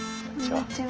こんにちは。